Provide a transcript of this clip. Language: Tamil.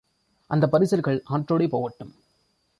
அந்தப் பரிசல்கள் ஆற்றோடே போகட்டும்.